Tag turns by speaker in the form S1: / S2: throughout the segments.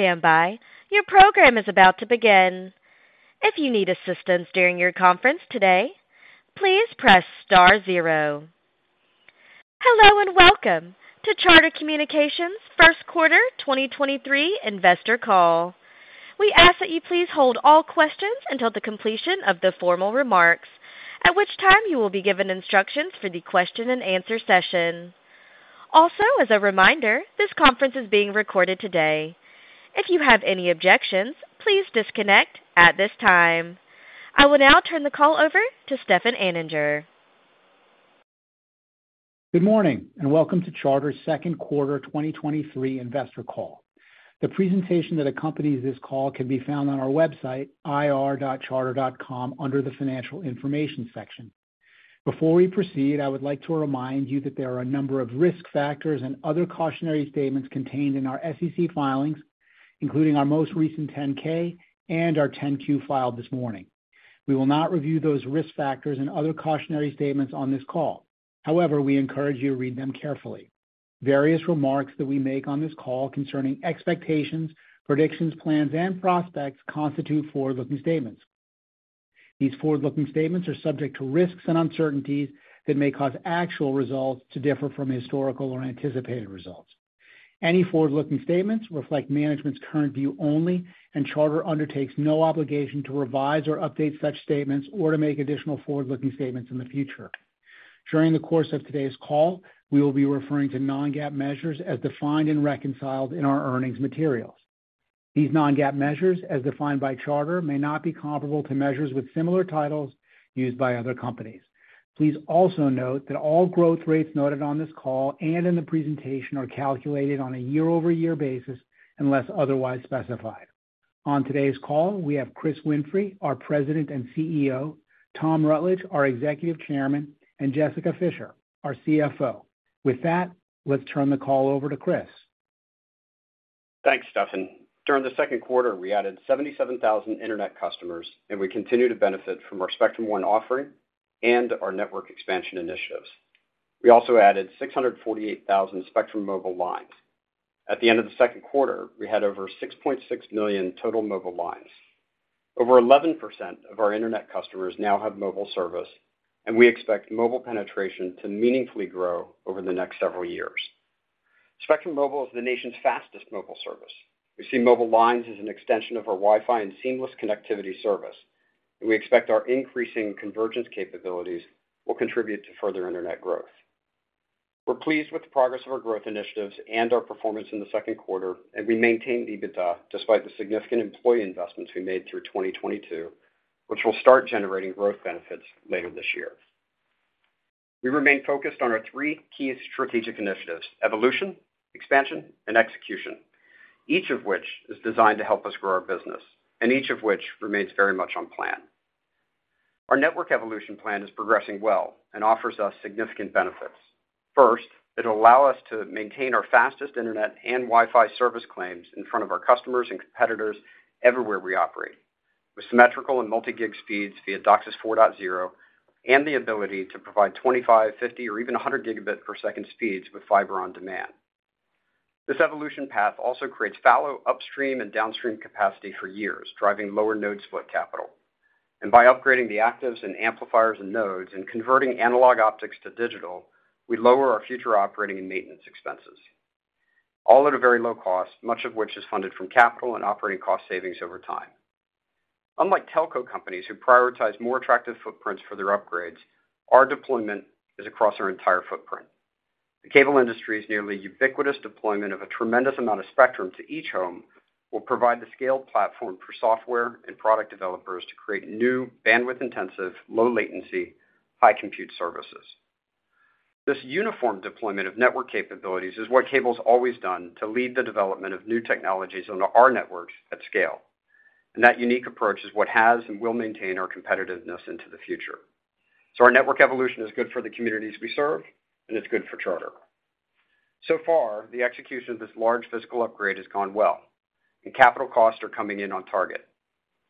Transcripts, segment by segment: S1: Please stand by. Your program is about to begin. If you need assistance during your conference today, please press star zero. Hello, and welcome to Charter Communications First Quarter 2023 Investor Call. We ask that you please hold all questions until the completion of the formal remarks, at which time you will be given instructions for the question and answer session. As a reminder, this conference is being recorded today. If you have any objections, please disconnect at this time. I will now turn the call over to Stefan Anninger.
S2: Good morning. Welcome to Charter's 2nd Quarter 2023 Investor all. The presentation that accompanies this call can be found on our website, ir.charter.com, under the Financial Information section. Before we proceed, I would like to remind you that there are a number of risk factors and other cautionary statements contained in our SEC filings, including our most recent 10-K and our 10-Q filed this morning. We will not review those risk factors and other cautionary statements on this call. However, we encourage you to read them carefully. Various remarks that we make on this call concerning expectations, predictions, plans, and prospects constitute forward-looking statements. These forward-looking statements are subject to risks and uncertainties that may cause actual results to differ from historical or anticipated results. Any forward-looking statements reflect management's current view only, and Charter undertakes no obligation to revise or update such statements or to make additional forward-looking statements in the future. During the course of today's call, we will be referring to non-GAAP measures as defined and reconciled in our earnings materials. These non-GAAP measures, as defined by Charter, may not be comparable to measures with similar titles used by other companies. Please also note that all growth rates noted on this call and in the presentation are calculated on a year-over-year basis, unless otherwise specified. On today's call, we have Chris Winfrey, our President and CEO, Tom Rutledge, our Executive Chairman, and Jessica Fischer, our CFO. With that, let's turn the call over to Chris.
S3: Thanks, Stefan. During the second quarter, we added 77,000 internet customers. We continue to benefit from our Spectrum One offering and our network expansion initiatives. We also added 648,000 Spectrum Mobile lines. At the end of the second quarter, we had over 6.6 million total mobile lines. Over 11% of our internet customers now have mobile service. We expect mobile penetration to meaningfully grow over the next several years. Spectrum Mobile is the nation's fastest mobile service. We see mobile lines as an extension of our Wi-Fi and seamless connectivity service, and we expect our increasing convergence capabilities will contribute to further internet growth. We're pleased with the progress of our growth initiatives and our performance in the second quarter, and we maintain EBITDA despite the significant employee investments we made through 2022, which will start generating growth benefits later this year. We remain focused on our three key strategic initiatives: evolution, expansion, and execution, each of which is designed to help us grow our business, and each of which remains very much on plan. Our network evolution plan is progressing well and offers us significant benefits. First, it'll allow us to maintain our fastest internet and Wi-Fi service claims in front of our customers and competitors everywhere we operate, with symmetrical and multi-gig speeds via DOCSIS 4.0, and the ability to provide 25, 50, or even 100 Gbps speeds with fiber on demand. This evolution path also creates fallow upstream and downstream capacity for years, driving lower node split capital. By upgrading the actives and amplifiers and nodes and converting analog optics to digital, we lower our future operating and maintenance expenses, all at a very low cost, much of which is funded from capital and operating cost savings over time. Unlike telco companies who prioritize more attractive footprints for their upgrades, our deployment is across our entire footprint. The cable industry's nearly ubiquitous deployment of a tremendous amount of spectrum to each home will provide the scaled platform for software and product developers to create new bandwidth-intensive, low latency, high compute services. This uniform deployment of network capabilities is what cable's always done to lead the development of new technologies onto our networks at scale, and that unique approach is what has and will maintain our competitiveness into the future. Our network evolution is good for the communities we serve, and it's good for Charter. So far, the execution of this large physical upgrade has gone well, and capital costs are coming in on target.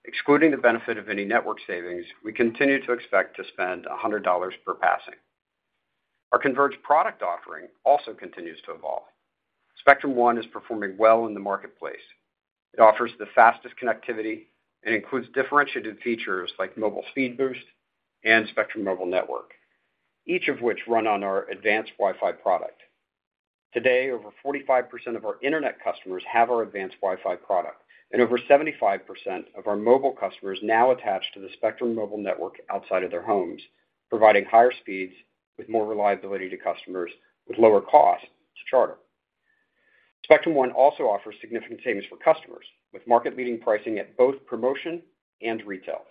S3: Excluding the benefit of any network savings, we continue to expect to spend $100 per passing. Our converged product offering also continues to evolve. Spectrum One is performing well in the marketplace. It offers the fastest connectivity and includes differentiated features like Mobile Speed Boost and Spectrum Mobile Network, each of which run on our advanced Wi-Fi product. Today, over 45% of our internet customers have our advanced Wi-Fi product, and over 75% of our mobile customers now attach to the Spectrum Mobile Network outside of their homes, providing higher speeds with more reliability to customers, with lower cost to Charter. Spectrum One also offers significant savings for customers, with market-leading pricing at both promotion and retail.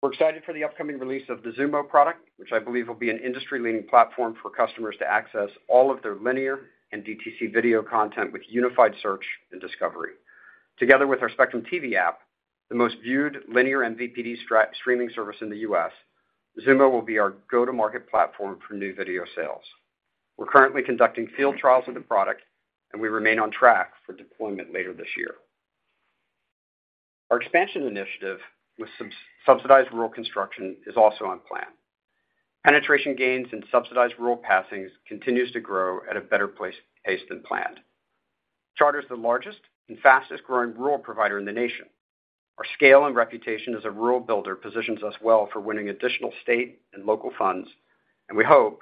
S3: We're excited for the upcoming release of the Xumo product, which I believe will be an industry-leading platform for customers to access all of their linear and DTC video content with unified search and discovery. Together with our Spectrum TV app, the most viewed linear MVPD streaming service in the U.S., Xumo will be our go-to-market platform for new video sales. We're currently conducting field trials of the product, and we remain on track for deployment later this year. Our expansion initiative with subsidized rural construction is also on plan. Penetration gains in subsidized rural passings continues to grow at a better pace than planned. Charter is the largest and fastest growing rural provider in the nation. Our scale and reputation as a rural builder positions us well for winning additional state and local funds, and we hope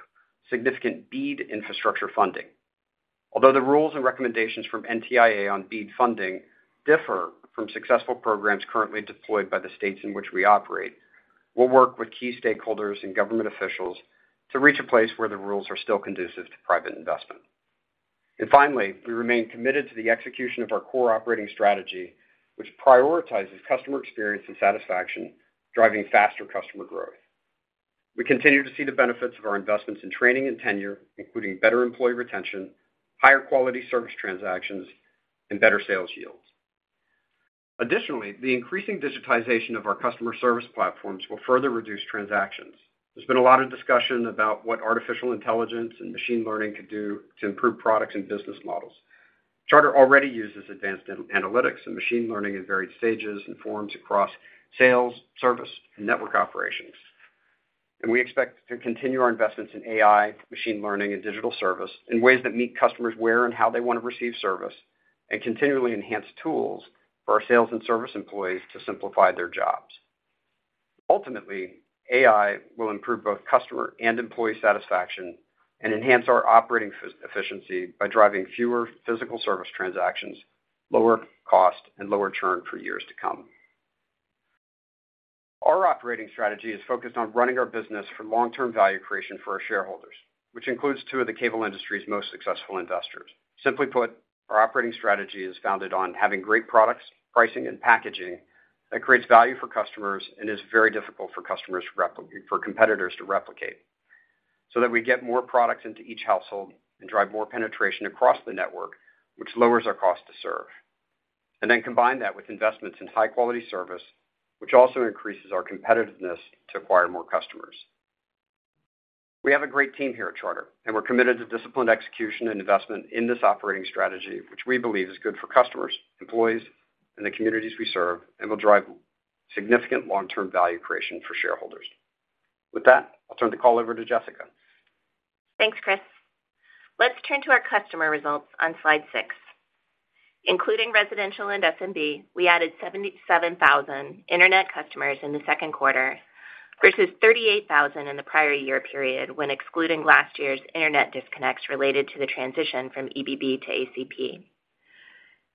S3: significant BEAD infrastructure funding. Although the rules and recommendations from NTIA on BEAD funding differ from successful programs currently deployed by the states in which we operate, we'll work with key stakeholders and government officials to reach a place where the rules are still conducive to private investment. Finally, we remain committed to the execution of our core operating strategy, which prioritizes customer experience and satisfaction, driving faster customer growth. We continue to see the benefits of our investments in training and tenure, including better employee retention, higher quality service transactions, and better sales yields. Additionally, the increasing digitization of our customer service platforms will further reduce transactions. There's been a lot of discussion about what artificial intelligence and machine learning can do to improve products and business models. Charter already uses advanced analytics and machine learning in various stages and forms across sales, service, and network operations. We expect to continue our investments in AI, machine learning, and digital service in ways that meet customers where and how they want to receive service, and continually enhance tools for our sales and service employees to simplify their jobs. Ultimately, AI will improve both customer and employee satisfaction and enhance our operating efficiency by driving fewer physical service transactions, lower cost, and lower churn for years to come. Our operating strategy is focused on running our business for long-term value creation for our shareholders, which includes two of the cable industry's most successful investors. Simply put, our operating strategy is founded on having great products, pricing, and packaging that creates value for customers and is very difficult for competitors to replicate, so that we get more products into each household and drive more penetration across the network, which lowers our cost to serve. Then combine that with investments in high-quality service, which also increases our competitiveness to acquire more customers. We have a great team here at Charter, and we're committed to disciplined execution and investment in this operating strategy, which we believe is good for customers, employees, and the communities we serve, and will drive significant long-term value creation for shareholders. With that, I'll turn the call over to Jessica.
S4: Thanks, Chris. Let's turn to our customer results on slide 6. Including residential and SMB, we added 77,000 internet customers in the second quarter, versus 38,000 in the prior year period, when excluding last year's internet disconnects related to the transition from EBB to ACP.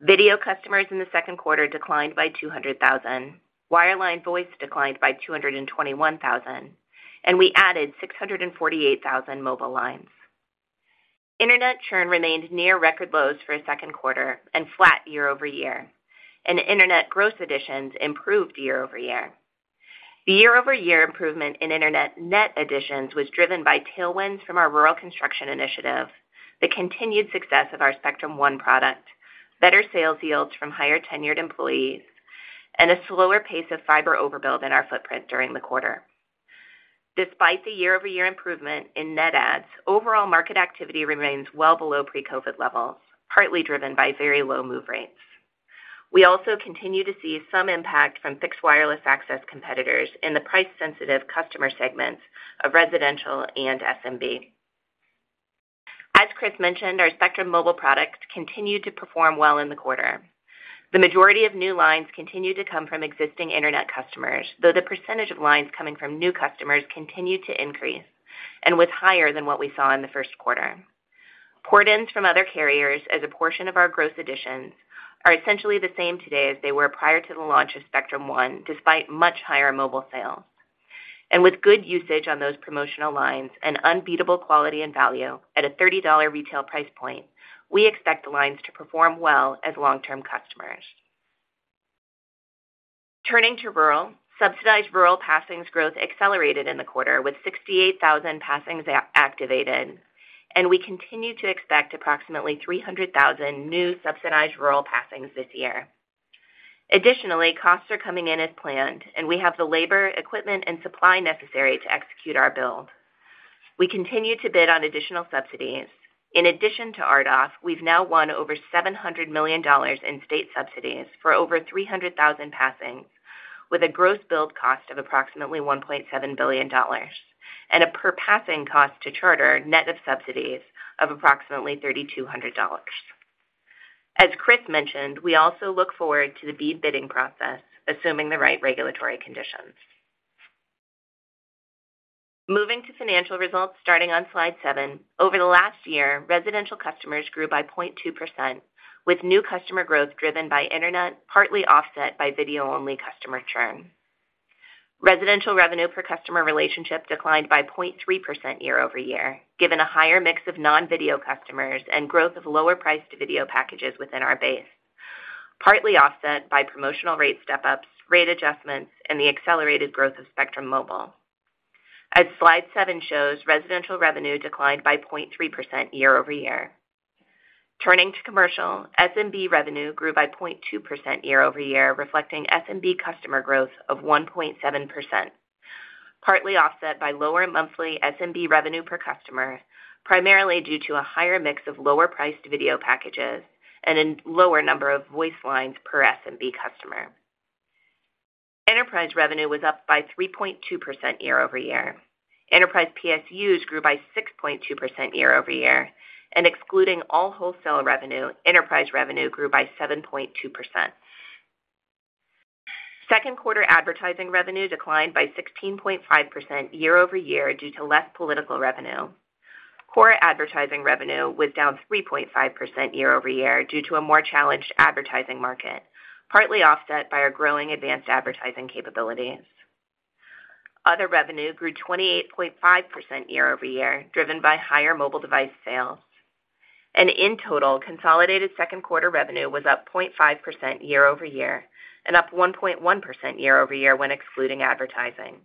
S4: Video customers in the second quarter declined by 200,000, wireline voice declined by 221,000, and we added 648,000 mobile lines. Internet churn remained near record lows for a second quarter and flat year-over-year, and internet gross additions improved year-over-year. The year-over-year improvement in internet net additions was driven by tailwinds from our rural construction initiative, the continued success of our Spectrum One product, better sales yields from higher-tenured employees, and a slower pace of fiber overbuild in our footprint during the quarter. Despite the year-over-year improvement in net adds, overall market activity remains well below pre-COVID levels, partly driven by very low move rates. We also continue to see some impact from fixed wireless access competitors in the price-sensitive customer segments of residential and SMB. As Chris mentioned, our Spectrum Mobile products continued to perform well in the quarter. The majority of new lines continued to come from existing internet customers, though the percentage of lines coming from new customers continued to increase and was higher than what we saw in the first quarter. Port-ins from other carriers as a portion of our gross additions, are essentially the same today as they were prior to the launch of Spectrum One, despite much higher mobile sales. With good usage on those promotional lines and unbeatable quality and value at a $30 retail price point, we expect the lines to perform well as long-term customers. Turning to rural, subsidized rural passings growth accelerated in the quarter with 68,000 passings activated, and we continue to expect approximately 300,000 new subsidized rural passings this year. Additionally, costs are coming in as planned, and we have the labor, equipment, and supply necessary to execute our build. We continue to bid on additional subsidies. In addition to RDOF, we've now won over $700 million in state subsidies for over 300,000 passings, with a gross build cost of approximately $1.7 billion and a per passing cost to Charter, net of subsidies, of approximately $3,200. As Chris mentioned, we also look forward to the BEAD bidding process, assuming the right regulatory conditions. Moving to financial results, starting on slide 7. Over the last year, residential customers grew by 0.2%, with new customer growth driven by internet, partly offset by video-only customer churn. Residential revenue per customer relationship declined by 0.3% year-over-year, given a higher mix of non-video customers and growth of lower-priced video packages within our base, partly offset by promotional rate step-ups, rate adjustments, and the accelerated growth of Spectrum Mobile. As slide 7 shows, residential revenue declined by 0.3% year-over-year. Turning to commercial, SMB revenue grew by 0.2% year-over-year, reflecting SMB customer growth of 1.7% partly offset by lower monthly SMB revenue per customer, primarily due to a higher mix of lower-priced video packages and a lower number of voice lines per SMB customer. Enterprise revenue was up by 3.2% year-over-year. Enterprise PSUs grew by 6.2% year-over-year, excluding all wholesale revenue, enterprise revenue grew by 7.2%. Second quarter advertising revenue declined by 16.5% year-over-year due to less political revenue. Core advertising revenue was down 3.5% year-over-year due to a more challenged advertising market, partly offset by our growing advanced advertising capabilities. Other revenue grew 28.5% year-over-year, driven by higher mobile device sales. In total, consolidated second quarter revenue was up 0.5% year-over-year and up 1.1% year-over-year when excluding advertising.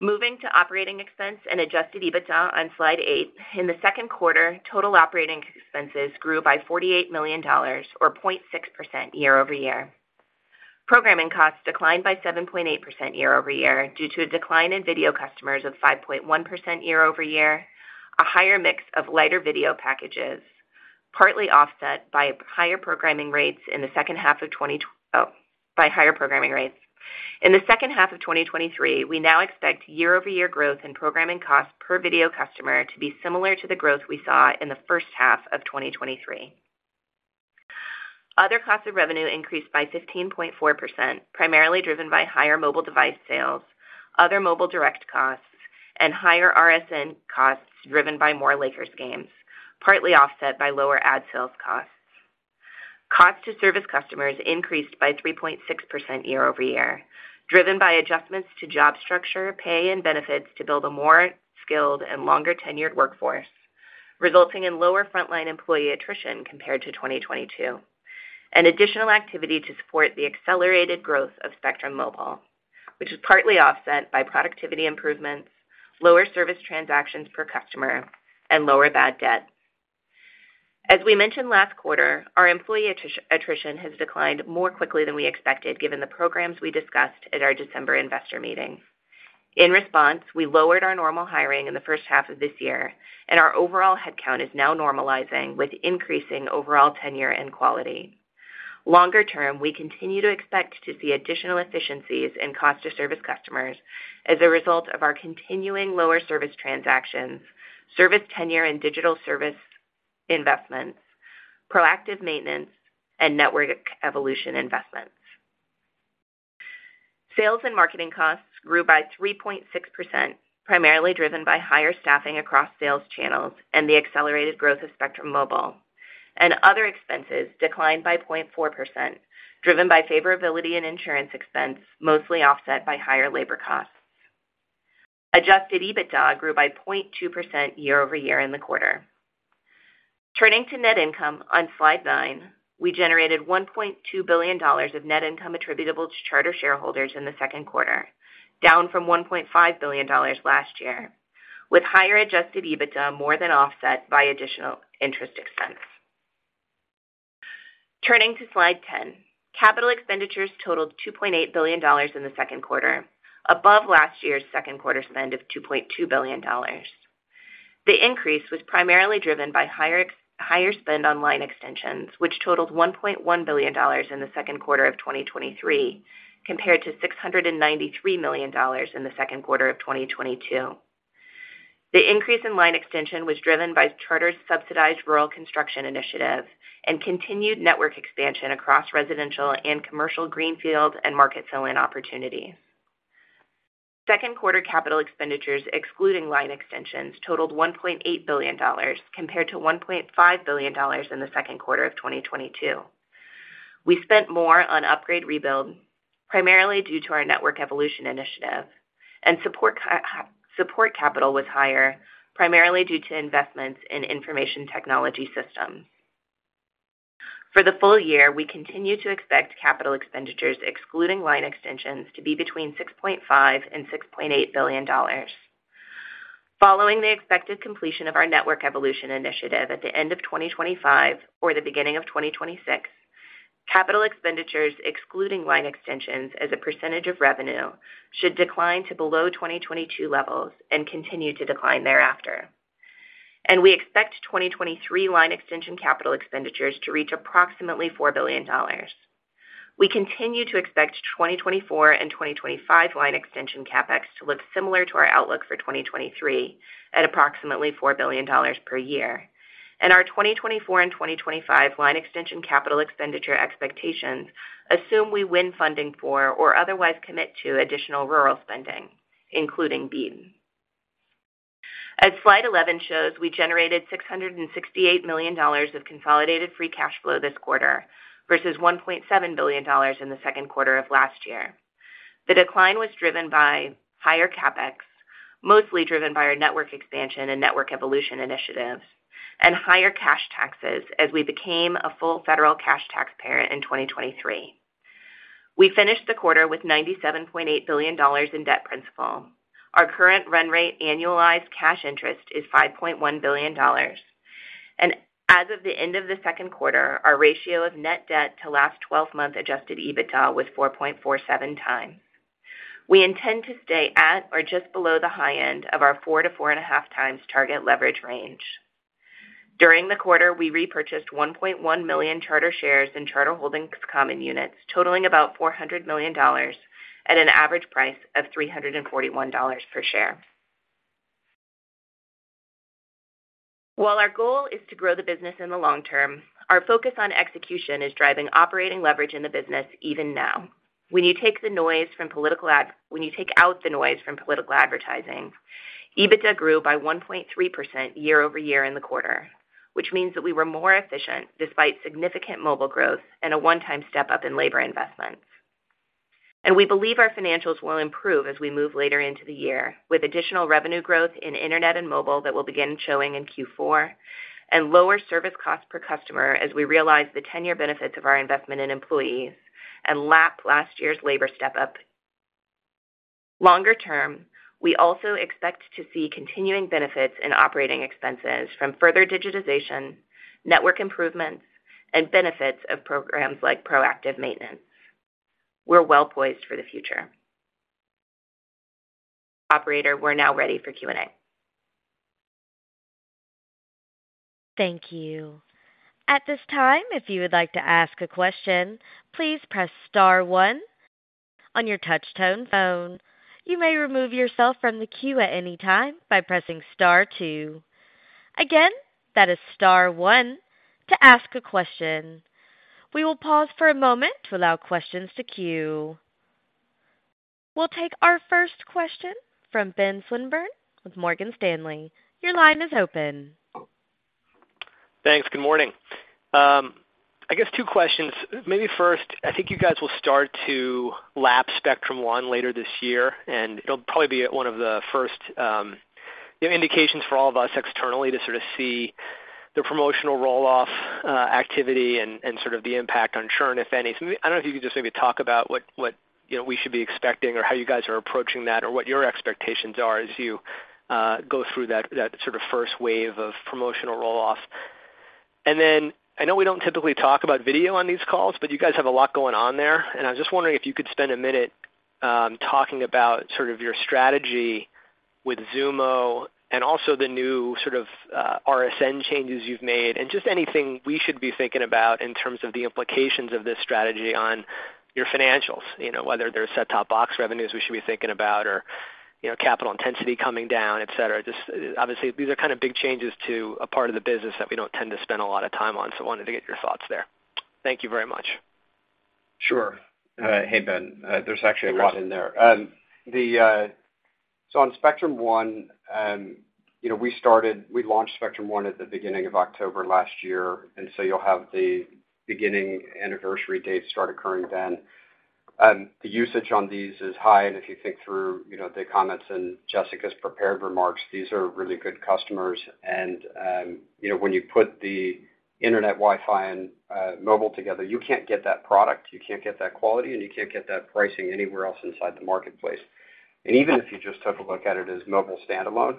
S4: Moving to operating expense and Adjusted EBITDA on slide 8, in the second quarter, total operating expenses grew by $48 million or 0.6% year-over-year. Programming costs declined by 7.8% year-over-year due to a decline in video customers of 5.1% year-over-year, a higher mix of lighter video packages, partly offset by higher programming rates in the second half of 20. Oh, by higher programming rates. In the second half of 2023, we now expect year-over-year growth in programming costs per video customer to be similar to the growth we saw in the first half of 2023. Other costs of revenue increased by 15.4%, primarily driven by higher mobile device sales, other mobile direct costs, and higher RSN costs, driven by more Lakers games, partly offset by lower ad sales costs. Cost to service customers increased by 3.6% year-over-year, driven by adjustments to job structure, pay and benefits to build a more skilled and longer-tenured workforce, resulting in lower frontline employee attrition compared to 2022. An additional activity to support the accelerated growth of Spectrum Mobile, which is partly offset by productivity improvements, lower service transactions per customer, and lower bad debt. As we mentioned last quarter, our employee attrition has declined more quickly than we expected, given the programs we discussed at our December investor meeting. In response, we lowered our normal hiring in the first half of this year, and our overall headcount is now normalizing with increasing overall tenure and quality. Longer term, we continue to expect to see additional efficiencies in cost to service customers as a result of our continuing lower service transactions, service tenure and digital service investments, proactive maintenance and network evolution investments. Sales and marketing costs grew by 3.6%, primarily driven by higher staffing across sales channels and the accelerated growth of Spectrum Mobile. Other expenses declined by 0.4%, driven by favorability in insurance expense, mostly offset by higher labor costs. Adjusted EBITDA grew by 0.2% year-over-year in the quarter. Turning to net income on slide 9, we generated $1.2 billion of net income attributable to Charter shareholders in the second quarter, down from $1.5 billion last year, with higher Adjusted EBITDA, more than offset by additional interest expense. Turning to slide 10, capital expenditures totaled $2.8 billion in the second quarter, above last year's second quarter spend of $2.2 billion. The increase was primarily driven by higher spend on line extensions, which totaled $1.1 billion in the second quarter of 2023, compared to $693 million in the second quarter of 2022. The increase in line extension was driven by Charter's subsidized Rural Construction initiative and continued network expansion across residential and commercial greenfield and market fill-in opportunities. Second quarter capital expenditures, excluding line extensions, totaled $1.8 billion, compared to $1.5 billion in the second quarter of 2022. We spent more on upgrade rebuild, primarily due to our network evolution initiative, and support capital was higher, primarily due to investments in information technology systems. For the full year, we continue to expect capital expenditures, excluding line extensions, to be between $6.5 billion and $6.8 billion. Following the expected completion of our network evolution initiative at the end of 2025 or the beginning of 2026, capital expenditures, excluding line extensions as a percentage of revenue, should decline to below 2022 levels and continue to decline thereafter. We expect 2023 line extension capital expenditures to reach approximately $4 billion. We continue to expect 2024 and 2025 line extension CapEx to look similar to our outlook for 2023, at approximately $4 billion per year. Our 2024 and 2025 line extension capital expenditure expectations assume we win funding for or otherwise commit to additional rural spending, including BEAD. As slide 11 shows, we generated $668 million of consolidated free cash flow this quarter versus $1.7 billion in the second quarter of last year. The decline was driven by higher CapEx, mostly driven by our network expansion and network evolution initiatives, and higher cash taxes as we became a full federal cash taxpayer in 2023. We finished the quarter with $97.8 billion in debt principal. Our current run rate annualized cash interest is $5.1 billion. Of the end of the second quarter, our ratio of net debt to last twelve-month adjusted EBITDA was 4.47 times. We intend to stay at or just below the high end of our 4-4.5 times target leverage range. During the quarter, we repurchased 1.1 million Charter shares and Charter Holdings common units, totaling about $400 million at an average price of $341 per share. While our goal is to grow the business in the long term, our focus on execution is driving operating leverage in the business even now. When you take out the noise from political advertising, EBITDA grew by 1.3% year-over-year in the quarter, which means that we were more efficient despite significant mobile growth and a one-time step up in labor investments. We believe our financials will improve as we move later into the year, with additional revenue growth in internet and mobile that will begin showing in Q4, and lower service costs per customer as we realize the tenure benefits of our investment in employees and lap last year's labor step up. Longer term, we also expect to see continuing benefits in operating expenses from further digitization, network improvements, and benefits of programs like proactive maintenance. We're well poised for the future. Operator, we're now ready for Q&A.
S1: Thank you. At this time, if you would like to ask a question, please press star one on your touch tone phone. You may remove yourself from the queue at any time by pressing star two. Again, that is star one to ask a question. We will pause for a moment to allow questions to queue. We'll take our first question from Ben Swinburne with Morgan Stanley. Your line is open.
S5: Thanks. Good morning. I guess two questions. Maybe first, I think you guys will start to lap Spectrum One later this year, and it'll probably be one of the first, you know, indications for all of us externally to sort of see the promotional roll-off activity and, and sort of the impact on churn, if any. I don't know if you can just maybe talk about what, what, you know, we should be expecting or how you guys are approaching that, or what your expectations are as you go through that, that sort of first wave of promotional roll-off. Then I know we don't typically talk about video on these calls, but you guys have a lot going on there, and I was just wondering if you could spend a minute talking about sort of your strategy with Xumo and also the new sort of RSN changes you've made, and just anything we should be thinking about in terms of the implications of this strategy on your financials, you know, whether they're set-top box revenues we should be thinking about or, you know, capital intensity coming down, et cetera. Just obviously, these are kind of big changes to a part of the business that we don't tend to spend a lot of time on, so wanted to get your thoughts there. Thank you very much.
S3: Sure. Hey, Ben, there's actually a lot in there. So on Spectrum One, you know, we started-- we launched Spectrum One at the beginning of October last year, and so you'll have the beginning anniversary dates start occurring then. The usage on these is high, and if you think through, you know, the comments in Jessica's prepared remarks, these are really good customers, and, you know, when you put the internet, Wi-Fi, and mobile together, you can't get that product, you can't get that quality, and you can't get that pricing anywhere else inside the marketplace. Even if you just took a look at it as mobile standalone,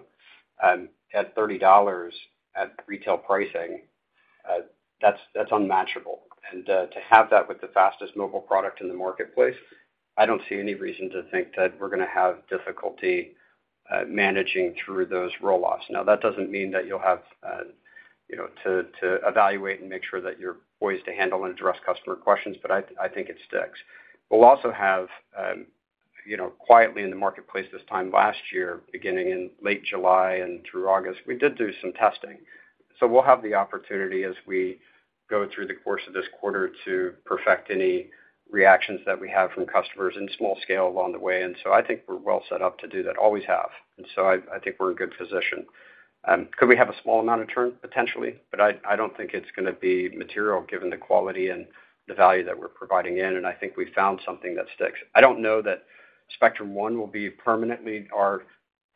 S3: at $30 at retail pricing, that's, that's unmatchable. To have that with the fastest mobile product in the marketplace, I don't see any reason to think that we're gonna have difficulty managing through those roll-offs. Now, that doesn't mean that you'll have, you know, to, to evaluate and make sure that you're poised to handle and address customer questions, but I, I think it sticks. We'll also have, you know, quietly in the marketplace this time last year, beginning in late July and through August, we did do some testing. We'll have the opportunity as we go through the course of this quarter to perfect any reactions that we have from customers in small scale along the way, and so I think we're well set up to do that, always have. I think we're in a good position. Could we have a small amount of churn? Potentially, but I, I don't think it's gonna be material given the quality and the value that we're providing in, and I think we found something that sticks. I don't know that Spectrum One will be permanently our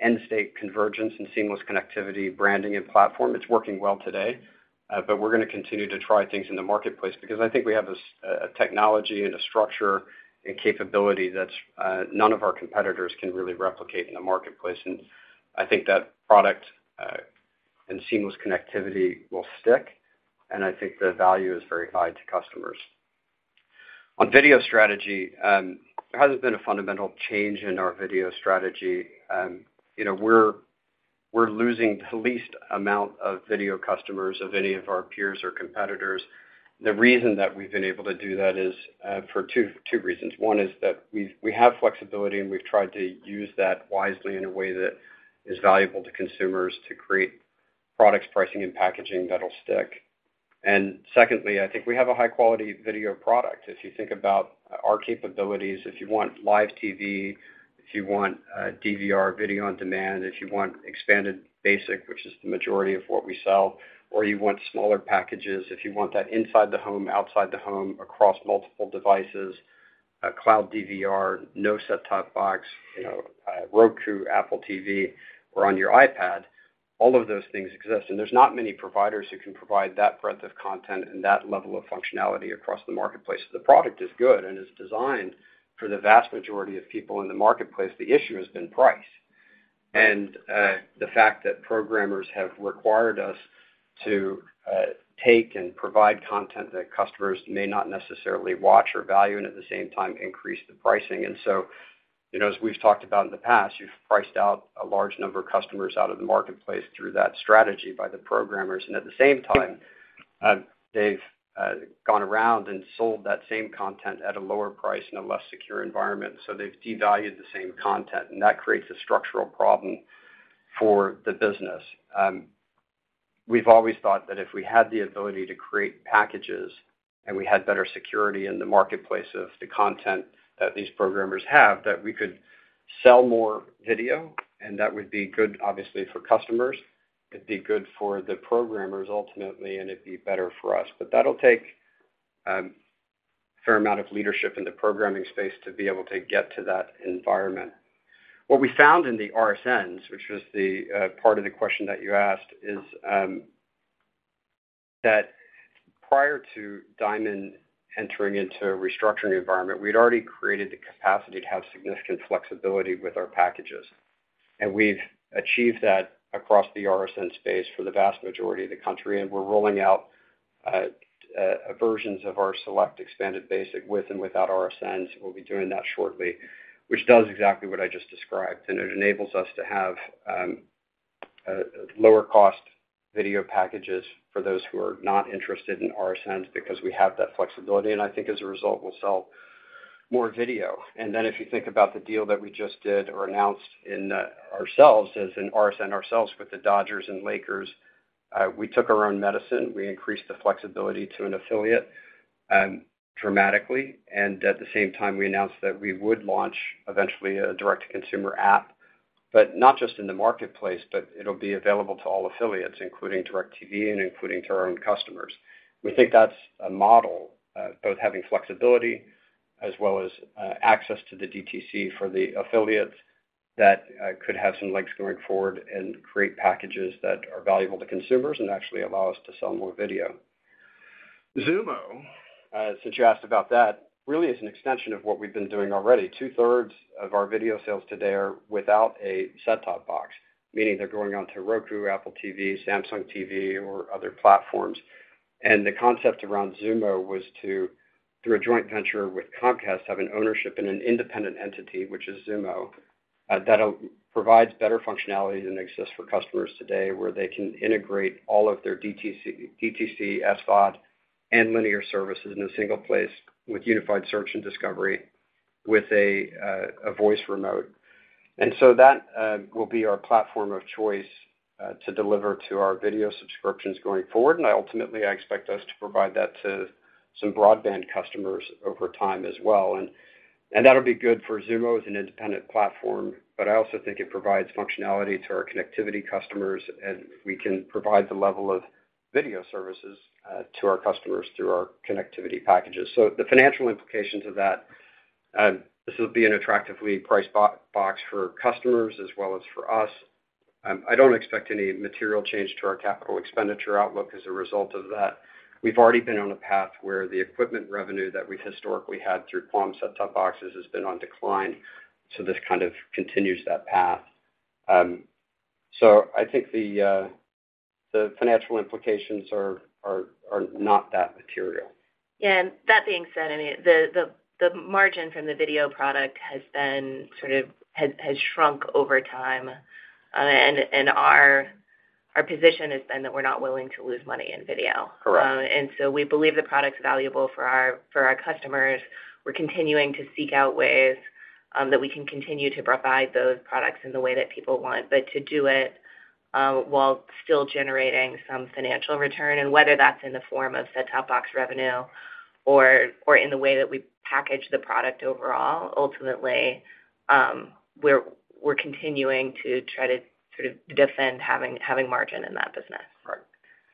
S3: end-state convergence and seamless connectivity, branding and platform. It's working well today, but we're gonna continue to try things in the marketplace because I think we have this, a technology and a structure and capability that none of our competitors can really replicate in the marketplace. I think that product, and seamless connectivity will stick, and I think the value is very high to customers. On video strategy, there hasn't been a fundamental change in our video strategy. You know, we're, we're losing the least amount of video customers of any of our peers or competitors. The reason that we've been able to do that is for two, two reasons. One is that we have flexibility, and we've tried to use that wisely in a way that is valuable to consumers to create products, pricing and packaging that'll stick. Secondly, I think we have a high-quality video product. If you think about our capabilities, if you want live TV, if you want DVR video on demand, if you want expanded basic, which is the majority of what we sell, or you want smaller packages, if you want that inside the home, outside the home, across multiple devices, a cloud DVR, no set-top box, you know, Roku, Apple TV, or on your iPad, all of those things exist, and there's not many providers who can provide that breadth of content and that level of functionality across the marketplace. The product is good and is designed for the vast majority of people in the marketplace. The issue has been price. And the fact that programmers have required us to take and provide content that customers may not necessarily watch or value, and at the same time, increase the pricing. You know, as we've talked about in the past, you've priced out a large number of customers out of the marketplace through that strategy by the programmers. At the same time, they've gone around and sold that same content at a lower price in a less secure environment. They've devalued the same content, and that creates a structural problem for the business. We've always thought that if we had the ability to create packages and we had better security in the marketplace of the content that these programmers have, that we could sell more video, and that would be good, obviously, for customers. It'd be good for the programmers ultimately, and it'd be better for us. That'll take a fair amount of leadership in the programming space to be able to get to that environment. What we found in the RSNs, which was the part of the question that you asked, is that prior to Diamond entering into a restructuring environment, we'd already created the capacity to have significant flexibility with our packages. We've achieved that across the RSN space for the vast majority of the country, and we're rolling out versions of our select expanded basic with and without RSNs. We'll be doing that shortly, which does exactly what I just described, it enables us to have lower cost video packages for those who are not interested in RSNs because we have that flexibility. I think as a result, we'll sell more video. Then if you think about the deal that we just did or announced in ourselves, as in RSN ourselves, with the Dodgers and Lakers, we took our own medicine. We increased the flexibility to an affiliate dramatically, and at the same time, we announced that we would launch eventually a direct-to-consumer app, but not just in the marketplace, but it'll be available to all affiliates, including DIRECTV and including to our own customers. We think that's a model, both having flexibility as well as access to the DTC for the affiliates, that could have some legs going forward and create packages that are valuable to consumers and actually allow us to sell more video. Xumo, since you asked about that, really is an extension of what we've been doing already. Two-thirds of our video sales today are without a set-top box, meaning they're going onto Roku, Apple TV, Samsung TV, or other platforms. The concept around Xumo was to, through a joint venture with Comcast, have an ownership in an independent entity, which is Xumo, that provides better functionality than exists for customers today, where they can integrate all of their DTC, DTC, SVOD, and linear services in a single place with unified search and discovery, with a voice remote. So that will be our platform of choice to deliver to our video subscriptions going forward. Ultimately, I expect us to provide that to some broadband customers over time as well. That'll be good for Xumo as an independent platform, but I also think it provides functionality to our connectivity customers, and we can provide the level of video services to our customers through our connectivity packages. The financial implications of that, this will be an attractively priced box for customers as well as for us. I don't expect any material change to our capital expenditure outlook as a result of that. We've already been on a path where the equipment revenue that we've historically had through QAM set-top boxes has been on decline, so this kind of continues that path. I think the financial implications are, are, are not that material.
S4: Yeah, that being said, I mean, the margin from the video product has been, sort of, has shrunk over time. Our position has been that we're not willing to lose money in video.
S3: Correct.
S4: We believe the product's valuable for our, for our customers. We're continuing to seek out ways that we can continue to provide those products in the way that people want, but to do it while still generating some financial return. Whether that's in the form of set-top box revenue or, or in the way that we package the product overall, ultimately, we're, we're continuing to try to sort of defend having, having margin in that business.
S3: Right.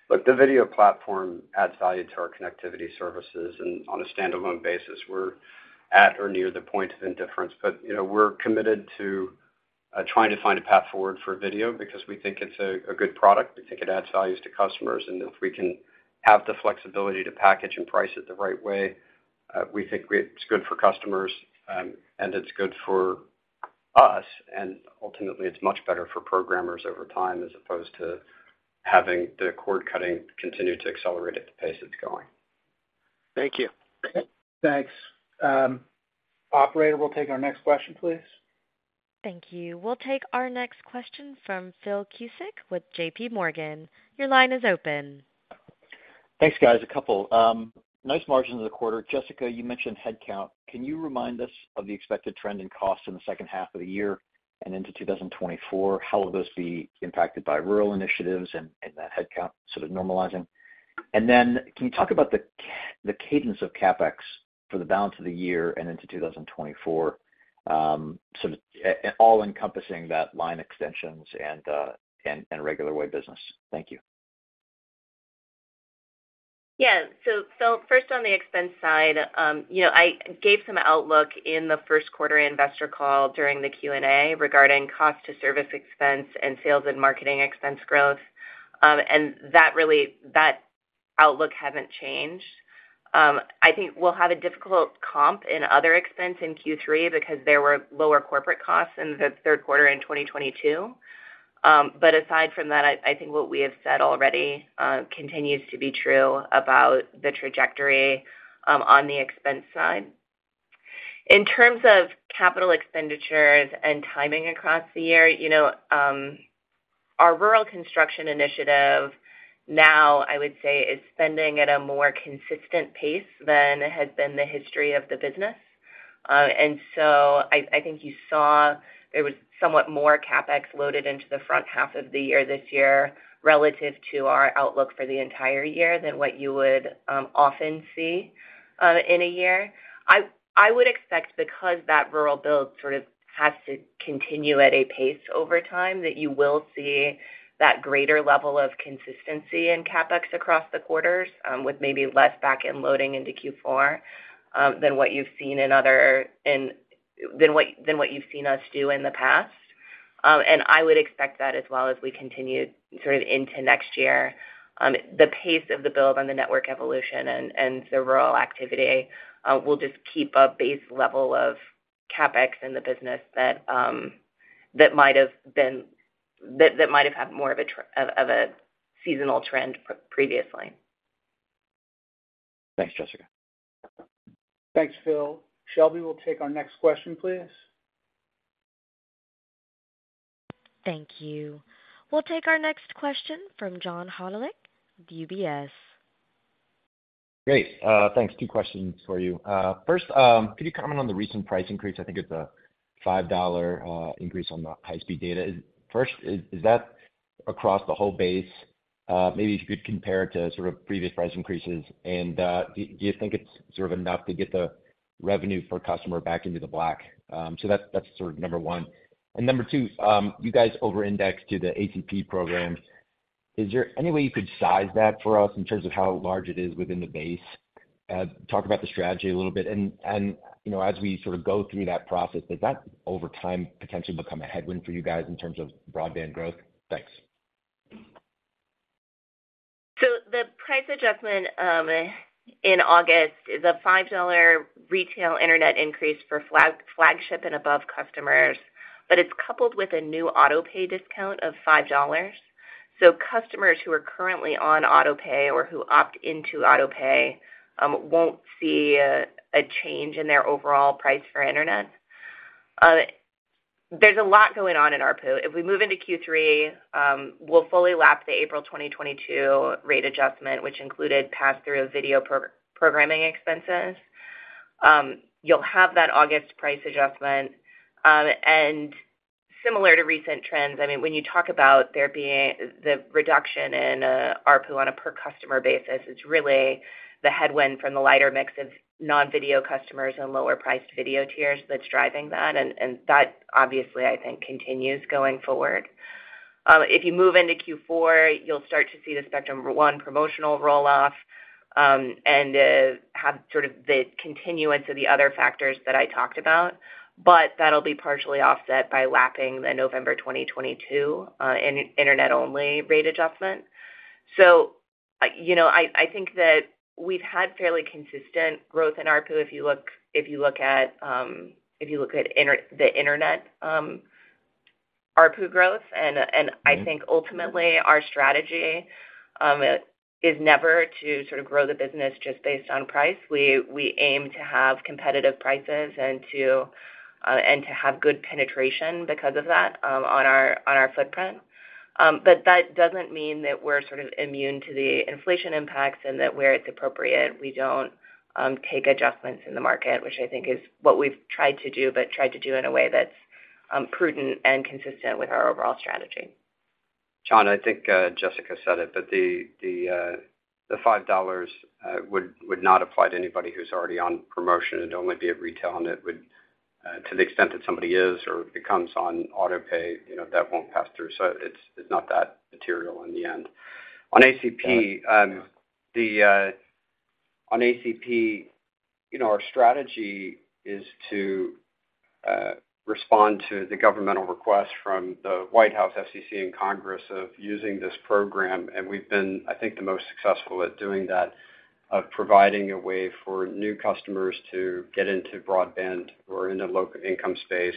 S3: Look, the video platform adds value to our connectivity services, and on a standalone basis, we're at or near the point of indifference. You know, we're committed to trying to find a path forward for video because we think it's a good product. We think it adds values to customers, and if we can have the flexibility to package and price it the right way, we think it's good for customers, and it's good for us. Ultimately, it's much better for programmers over time, as opposed to having the cord cutting continue to accelerate at the pace it's going.
S5: Thank you.
S3: Thanks. Operator, we'll take our next question, please.
S1: Thank you. We'll take our next question from Phil Cusick with JPMorgan. Your line is open.
S6: Thanks, guys. A couple. Nice margins in the quarter. Jessica, you mentioned headcount. Can you remind us of the expected trend in costs in the second half of the year and into 2024? How will those be impacted by rural initiatives and, and that headcount sort of normalizing? Then can you talk about the cadence of CapEx for the balance of the year and into 2024, sort of all encompassing that line extensions and, and regular way business? Thank you.
S4: Yeah. Phil, first on the expense side, you know, I gave some outlook in the first quarter investor call during the Q&A regarding cost to service expense and sales and marketing expense growth. That really, outlook haven't changed. I think we'll have a difficult comp in other expense in Q3 because there were lower corporate costs in the third quarter in 2022. Aside from that, I, I think what we have said already, continues to be true about the trajectory, on the expense side. In terms of capital expenditures and timing across the year, you know, our rural construction initiative now, I would say, is spending at a more consistent pace than has been the history of the business. I, I think you saw there was somewhat more CapEx loaded into the front half of the year this year, relative to our outlook for the entire year than what you would often see in a year. I, I would expect because that rural build sort of has to continue at a pace over time, that you will see that greater level of consistency in CapEx across the quarters, with maybe less back-end loading into Q4 than what you've seen us do in the past. I would expect that as well as we continue sort of into next year. The pace of the build on the network evolution and the rural activity will just keep a base level of CapEx in the business that might have had more of a seasonal trend previously.
S6: Thanks, Jessica.
S2: Thanks, Phil. Shelby, we'll take our next question, please.
S1: Thank you. We'll take our next question from John Hodulik, UBS.
S7: Great. Thanks. 2 questions for you. First, could you comment on the recent price increase? I think it's a $5 increase on the high-speed data. First, is that across the whole base? Maybe if you could compare it to sort of previous price increases, and do you think it's sort of enough to get the revenue for customer back into the black? That's, that's sort of number 1. Number 2, you guys over-indexed to the ACP program. Is there any way you could size that for us in terms of how large it is within the base? Talk about the strategy a little bit. You know, as we sort of go through that process, does that, over time, potentially become a headwind for you guys in terms of broadband growth? Thanks.
S4: The price adjustment in August is a $5 retail internet increase for Flagship and above customers, but it's coupled with a new autopay discount of $5. Customers who are currently on autopay or who opt into autopay won't see a change in their overall price for internet. There's a lot going on in ARPU. If we move into Q3, we'll fully lap the April 2022 rate adjustment, which included pass-through video programming expenses. You'll have that August price adjustment, and similar to recent trends, I mean, when you talk about the reduction in ARPU on a per customer basis, it's really the headwind from the lighter mix of non-video customers and lower-priced video tiers that's driving that, and that, obviously, I think, continues going forward. If you move into Q4, you'll start to see the Spectrum One promotional roll-off, and have sort of the continuance of the other factors that I talked about. That'll be partially offset by lapping the November 2022 internet-only rate adjustment. You know, I, I think that we've had fairly consistent growth in ARPU if you look, if you look at, if you look at the internet ARPU growth.
S7: Mm-hmm.
S4: And I think ultimately, our strategy is never to sort of grow the business just based on price. We, we aim to have competitive prices and to and to have good penetration because of that on our, on our footprint. That doesn't mean that we're sort of immune to the inflation impacts, and that where it's appropriate, we don't take adjustments in the market, which I think is what we've tried to do, but tried to do in a way that's prudent and consistent with our overall strategy.
S3: John, I think, Jessica said it, that the, the, the $5 would, would not apply to anybody who's already on promotion. It'd only be at retail, and it would, to the extent that somebody is or becomes on autopay, you know, that won't pass through, so it's, it's not that material in the end. On ACP, the-- on ACP, you know, our strategy is to respond to the governmental request from The White House, FCC, and Congress of using this program, and we've been, I think, the most successful at doing that, of providing a way for new customers to get into broadband or in the low income space,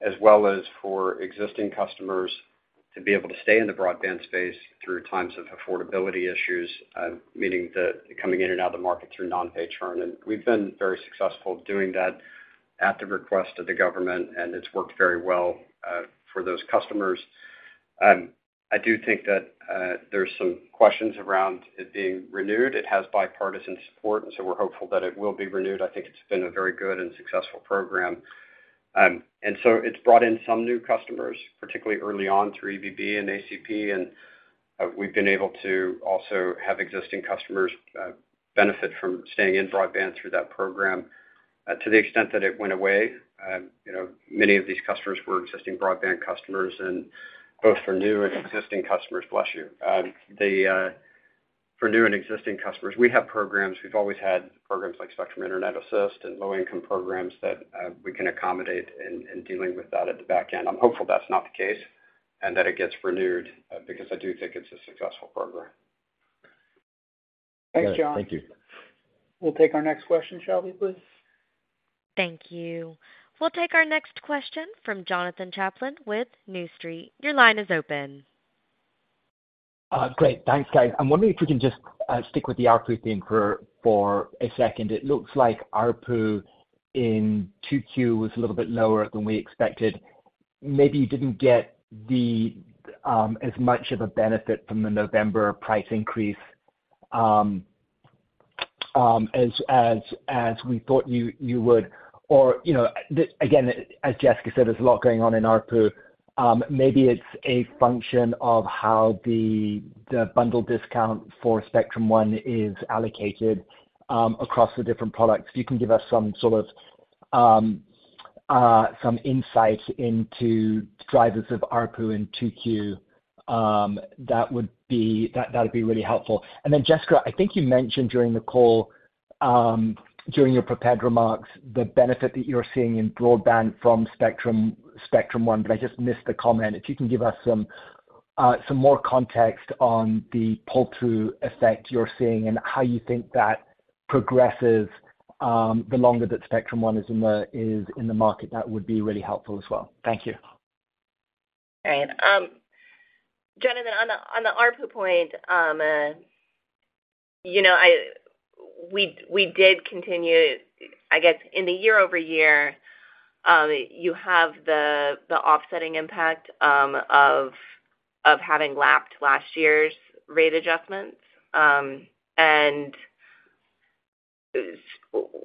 S3: as well as for existing customers to be able to stay in the broadband space through times of affordability issues, meaning the coming in and out of the market through non-pay churn. We've been very successful doing that at the request of the government, and it's worked very well for those customers. I do think that there's some questions around it being renewed. It has bipartisan support, so we're hopeful that it will be renewed. I think it's been a very good and successful program. It's brought in some new customers, particularly early on, through EBB and ACP, and we've been able to also have existing customers benefit from staying in broadband through that program. To the extent that it went away, you know, many of these customers were existing broadband customers, and both for new and existing customers. Bless you. For new and existing customers, we have programs. We've always had programs like Spectrum Internet Assist and low-income programs that we can accommodate in, in dealing with that at the back end. I'm hopeful that's not the case and that it gets renewed, because I do think it's a successful program.
S2: Thanks, John.
S7: Thank you.
S2: We'll take our next question, Shelby, please.
S1: Thank you. We'll take our next question from Jonathan Chaplin with New Street. Your line is open.
S8: Great. Thanks, guys. I'm wondering if we can just stick with the ARPU theme for, for a second. It looks like ARPU in 2Q was a little bit lower than we expected. Maybe you didn't get the as much of a benefit from the November price increase as we thought you would, or, you know, again, as Jessica said, there's a lot going on in ARPU. Maybe it's a function of how the bundle discount for Spectrum One is allocated across the different products. If you can give us some sort of some insight into drivers of ARPU in 2Q, that'd be really helpful. Jessica, I think you mentioned during the call, during your prepared remarks, the benefit that you're seeing in broadband from Spectrum, Spectrum One, but I just missed the comment. If you can give us some more context on the pull-through effect you're seeing and how you think that progresses, the longer that Spectrum One is in the market, that would be really helpful as well. Thank you.
S4: All right. Jonathan, on the, on the ARPU point, you know, I, we, we did continue... I guess in the year-over-year, you have the, the offsetting impact of, of having lapped last year's rate adjustments.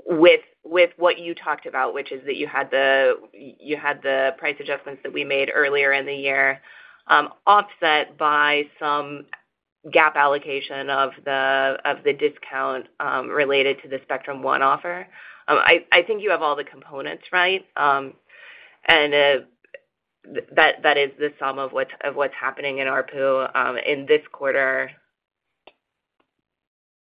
S4: With, with what you talked about, which is that you had the, you had the price adjustments that we made earlier in the year, offset by some GAAP allocation of the, of the discount related to the Spectrum One offer. I, I think you have all the components right. That, that is the sum of what's, of what's happening in ARPU in this quarter.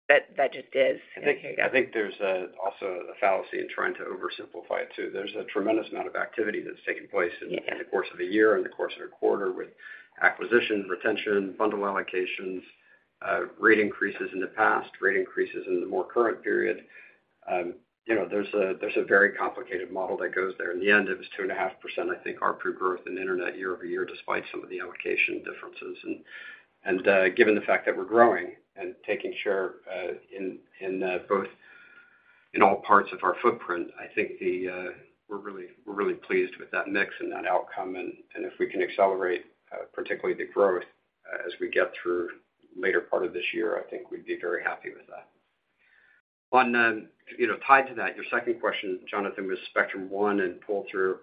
S4: That, that just is.
S3: I think, I think there's also a fallacy in trying to oversimplify it, too. There's a tremendous amount of activity that's taking place.
S4: Yeah
S3: In the course of a year, in the course of a quarter, with acquisition, retention, bundle allocations, rate increases in the past, rate increases in the more current period. You know, there's a very complicated model that goes there. In the end, it was 2.5%, I think, ARPU growth in Internet year-over-year, despite some of the allocation differences. Given the fact that we're growing and taking share, in, in, both, in all parts of our footprint, I think, we're really, we're really pleased with that mix and that outcome. If we can accelerate, particularly the growth, as we get through later part of this year, I think we'd be very happy with that. You know, tied to that, your second question, Jonathan, was Spectrum One and pull through.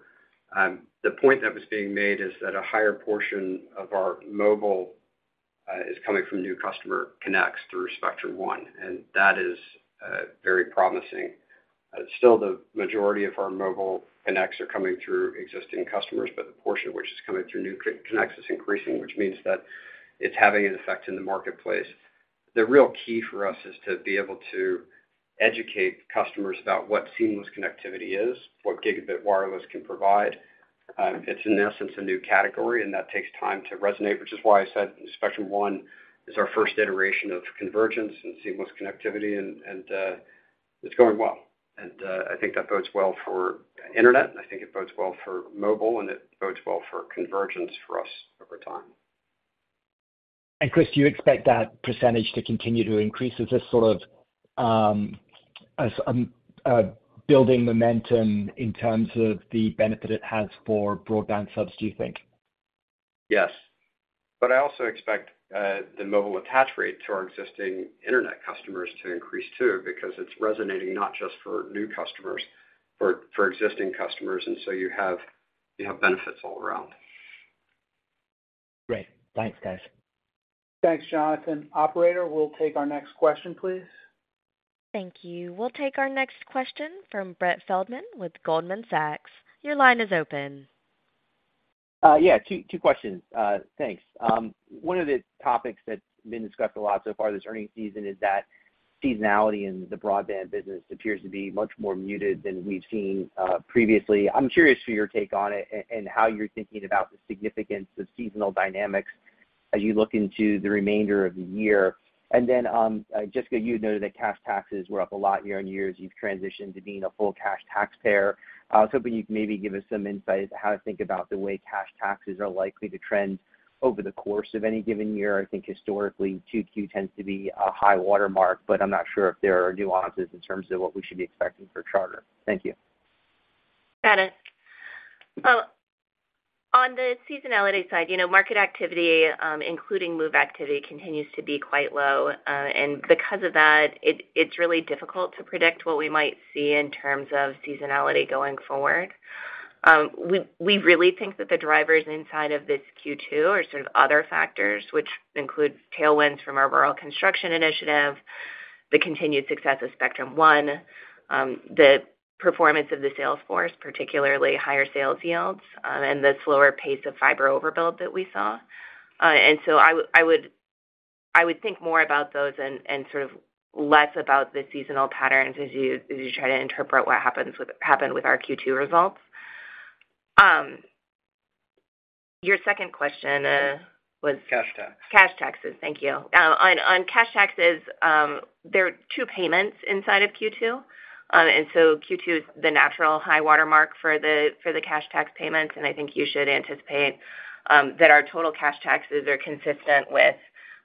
S3: The point that was being made is that a higher portion of our mobile is coming from new customer connects through Spectrum One, and that is very promising. Still, the majority of our mobile connects are coming through existing customers, but the portion which is coming through new connects is increasing, which means that it's having an effect in the marketplace. The real key for us is to be able to educate customers about what seamless connectivity is, what gigabit wireless can provide. It's in essence, a new category, and that takes time to resonate, which is why I said Spectrum One is our first iteration of convergence and seamless connectivity, and, it's going well. I think that bodes well for internet, and I think it bodes well for mobile, and it bodes well for convergence for us over time.
S8: Chris, do you expect that percentage to continue to increase? Is this sort of, as, building momentum in terms of the benefit it has for broadband subs, do you think?
S3: Yes. I also expect the mobile attach rate to our existing internet customers to increase, too, because it's resonating not just for new customers, for existing customers, so you have benefits all around.
S8: Great. Thanks, guys.
S2: Thanks, Jonathan. Operator, we'll take our next question, please.
S1: Thank you. We'll take our next question from Brett Feldman with Goldman Sachs. Your line is open.
S9: Yeah, two questions. Thanks. One of the topics that's been discussed a lot so far this earnings season is that seasonality in the broadband business appears to be much more muted than we've seen previously. I'm curious for your take on it and, and how you're thinking about the significance of seasonal dynamics as you look into the remainder of the year. Then, Jessica, you'd noted that cash taxes were up a lot year-on-year, as you've transitioned to being a full cash taxpayer. I was hoping you'd maybe give us some insight as to how to think about the way cash taxes are likely to trend over the course of any given year. I think historically, 2Q tends to be a high watermark, but I'm not sure if there are nuances in terms of what we should be expecting for Charter. Thank you.
S4: Got it. On the seasonality side, you know, market activity, including move activity, continues to be quite low, and because of that, it, it's really difficult to predict what we might see in terms of seasonality going forward. We, we really think that the drivers inside of this Q2 are sort of other factors, which include tailwinds from our rural construction initiative, the continued success of Spectrum One, the performance of the sales force, particularly higher sales yields, and the slower pace of fiber overbuild that we saw. So I would think more about those and, and sort of less about the seasonal patterns as you, as you try to interpret happened with our Q2 results. Your second question was?
S3: Cash tax.
S4: Cash taxes. Thank you. On, on cash taxes, there are 2 payments inside of Q2. So Q2 is the natural high watermark for the, for the cash tax payments, and I think you should anticipate that our total cash taxes are consistent with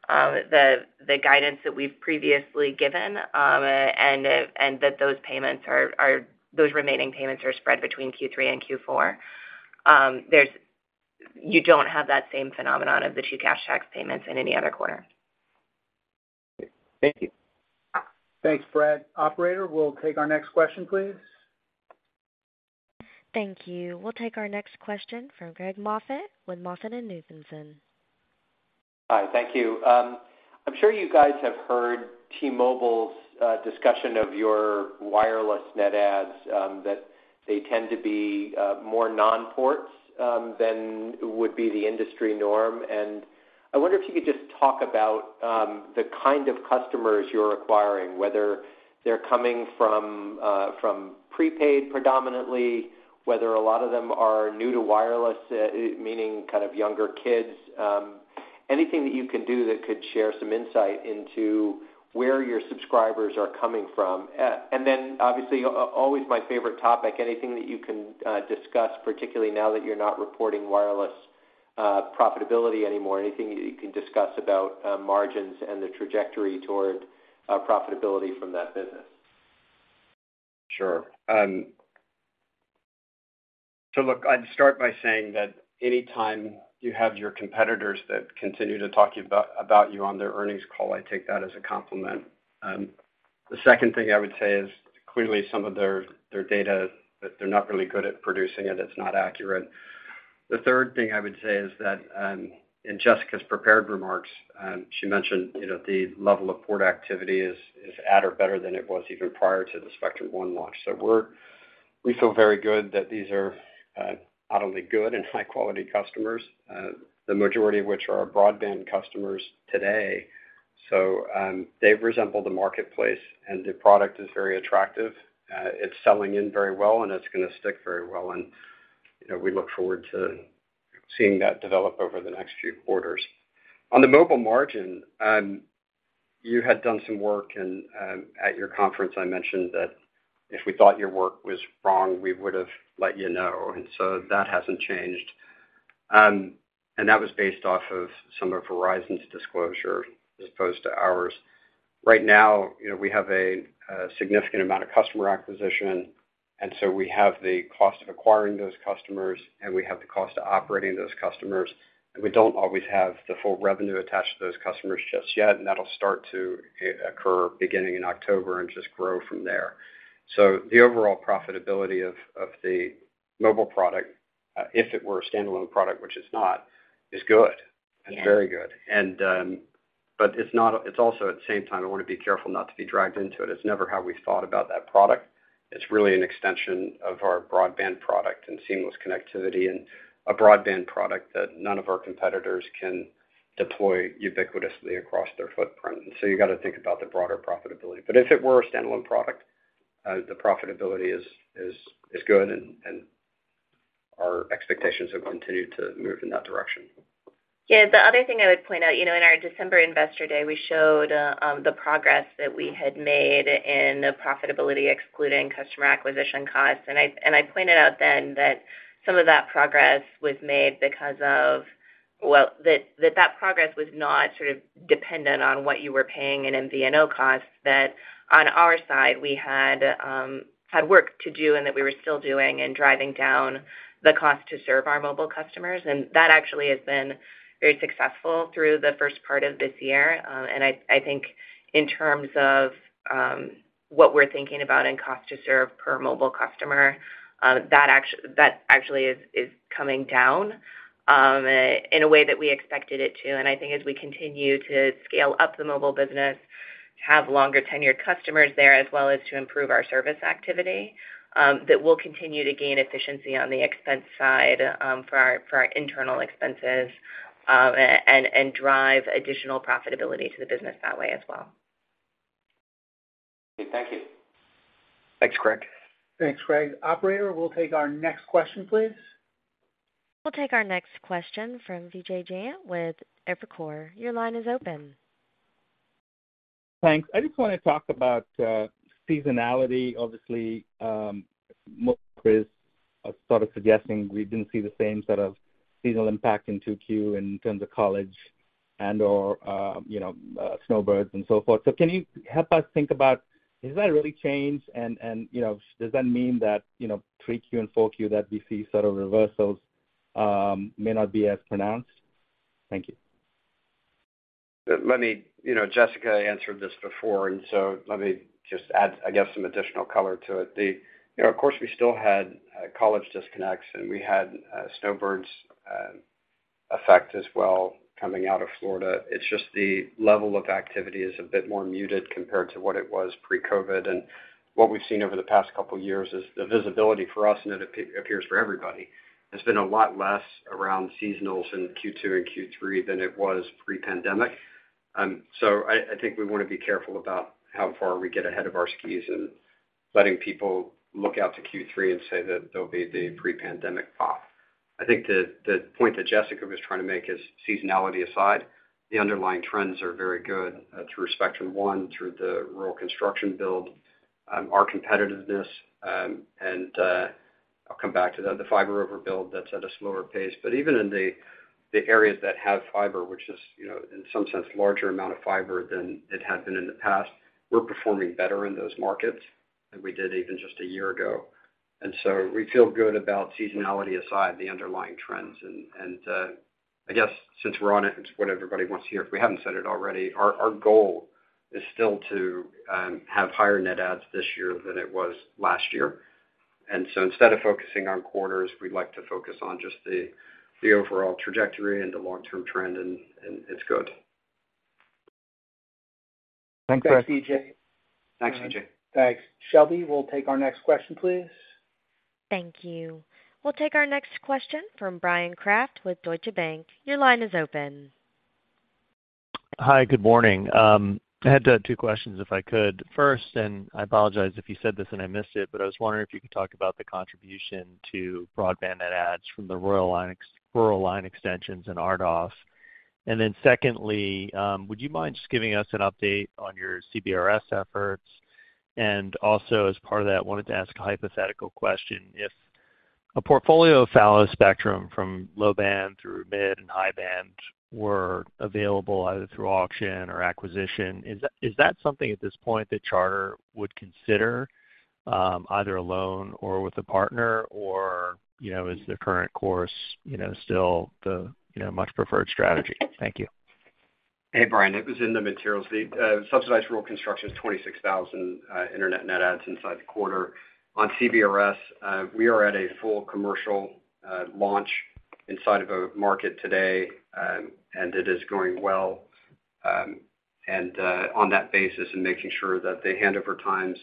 S4: the guidance that we've previously given, and that those payments are, those remaining payments are spread between Q3 and Q4. There's you don't have that same phenomenon of the 2 cash tax payments in any other quarter.
S3: Thank you.
S2: Thanks, Brad. Operator, we'll take our next question, please.
S1: Thank you. We'll take our next question from Craig Moffett with MoffettNathanson.
S10: Hi, thank you. I'm sure you guys have heard T-Mobile's discussion of your wireless net adds that they tend to be more non-ports than would be the industry norm. I wonder if you could just talk about the kind of customers you're acquiring, whether they're coming from prepaid predominantly, whether a lot of them are new to wireless, meaning kind of younger kids. Anything that you can do that could share some insight into where your subscribers are coming from? Then obviously, always my favorite topic, anything that you can discuss, particularly now that you're not reporting wireless profitability anymore, anything you can discuss about margins and the trajectory toward profitability from that business?
S3: Sure. Look, I'd start by saying that anytime you have your competitors that continue to talk about, about you on their earnings call, I take that as a compliment. The second thing I would say is, clearly, some of their, their data, that they're not really good at producing it. It's not accurate. The third thing I would say is that, in Jessica's prepared remarks, she mentioned, you know, the level of port activity is, is at or better than it was even prior to the Spectrum One launch. We're- we feel very good that these are, not only good and high-quality customers, the majority of which are our broadband customers today. They resemble the marketplace, and the product is very attractive. It's selling in very well, and it's gonna stick very well. You know, we look forward to seeing that develop over the next few quarters. On the mobile margin, you had done some work, and at your conference, I mentioned that if we thought your work was wrong, we would've let you know, and that hasn't changed. And that was based off of some of Verizon's disclosure as opposed to ours. Right now, you know, we have a significant amount of customer acquisition, and so we have the cost of acquiring those customers, and we have the cost of operating those customers, and we don't always have the full revenue attached to those customers just yet, and that'll start to occur beginning in October and just grow from there. The overall profitability of, of the mobile product, if it were a standalone product, which it's not, is good.
S4: Yeah.
S3: It's very good. But it's also, at the same time, I want to be careful not to be dragged into it. It's never how we've thought about that product. It's really an extension of our broadband product and seamless connectivity and a broadband product that none of our competitors can deploy ubiquitously across their footprint. So you got to think about the broader profitability. If it were a standalone product, the profitability is good, and our expectations have continued to move in that direction.
S4: Yeah. The other thing I would point out, you know, in our December Investor Day, we showed the progress that we had made in the profitability, excluding customer acquisition costs. And I, and I pointed out then that some of that progress was made because of... Well, that, that, that progress was not sort of dependent on what you were paying in MVNO costs, that on our side, we had had work to do and that we were still doing and driving down the cost to serve our mobile customers. And that actually has been very successful through the first part of this year. And I, I think in terms of what we're thinking about in cost to serve per mobile customer, that actually is, is coming down in a way that we expected it to. I think as we continue to scale up the mobile business, have longer tenured customers there, as well as to improve our service activity, that we'll continue to gain efficiency on the expense side, for our, for our internal expenses, and, and drive additional profitability to the business that way as well.
S10: Okay, thank you.
S3: Thanks, Craig.
S2: Thanks, Craig. Operator, we'll take our next question, please.
S1: We'll take our next question from Vijay Jayant with Evercore. Your line is open.
S11: Thanks. I just want to talk about seasonality. Obviously, Chris sort of suggesting we didn't see the same sort of seasonal impact in 2Q in terms of college and/or, you know, snowbirds and so forth. Can you help us think about, has that really changed? You know, does that mean that, you know, 3Q and 4Q, that we see sort of reversals, may not be as pronounced? Thank you.
S3: Let me. You know, Jessica answered this before, and so let me just add, I guess, some additional color to it. The, you know, of course, we still had college disconnects, and we had snowbirds effect as well, coming out of Florida. It's just the level of activity is a bit more muted compared to what it was pre-COVID. What we've seen over the past couple of years is the visibility for us, and it appears for everybody, has been a lot less around seasonals in Q2 and Q3 than it was pre-pandemic. I think we want to be careful about how far we get ahead of our skis and letting people look out to Q3 and say that they'll be the pre-pandemic pop. I think the point that Jessica was trying to make is, seasonality aside, the underlying trends are very good, through Spectrum One, through the rural construction build, our competitiveness, and I'll come back to the fiber overbuild that's at a slower pace. Even in the areas that have fiber, which is, you know, in some sense, larger amount of fiber than it had been in the past, we're performing better in those markets than we did even just 1 year ago. We feel good about, seasonality aside, the underlying trends. I guess since we're on it, it's what everybody wants to hear. If we haven't said it already, our goal is still to have higher net adds this year than it was last year. Instead of focusing on quarters, we'd like to focus on just the, the overall trajectory and the long-term trend, and, and it's good.
S11: Thanks, Chris.
S2: Thanks, CJ.
S3: Thanks, CJ.
S2: Thanks. Shelby, we'll take our next question, please.
S1: Thank you. We'll take our next question from Bryan Kraft with Deutsche Bank. Your line is open.
S12: Hi, good morning. I had 2 questions, if I could. First, and I apologize if you said this and I missed it, but I was wondering if you could talk about the contribution to broadband net adds from the rural line extensions and RDOF. Secondly, would you mind just giving us an update on your CBRS efforts? Also, as part of that, I wanted to ask a hypothetical question: If a portfolio of fallow spectrum from low band through mid and high band were available, either through auction or acquisition, is that, is that something at this point that Charter would consider either alone or with a partner, or, you know, is the current course, you know, still the, you know, much preferred strategy? Thank you.
S3: Hey, Bryan. It was in the materials. The subsidized rural construction is 26,000 internet net adds inside the quarter. On CBRS, we are at a full commercial launch inside of a market today, and it is going well. On that basis, and making sure that the handover times,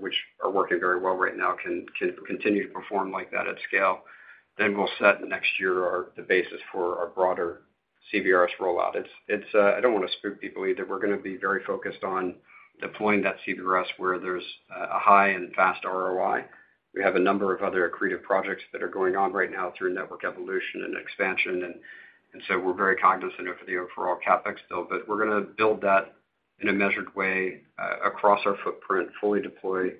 S3: which are working very well right now, can continue to perform like that at scale, we'll set next year are the basis for our broader CBRS rollout. It's, it's, I don't want to spook people either. We're going to be very focused on deploying that CBRS where there's a high and fast ROI. We have a number of other accretive projects that are going on right now through network evolution and expansion, so we're very cognizant of the overall CapEx build. We're going to build that in a measured way across our footprint, fully deploy